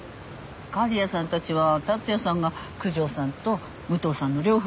狩矢さんたちは竜也さんが九条さんと武藤さんの両方を殺したと思ってる。